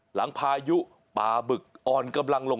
พายุป่าบึกอ่อนกำลังลง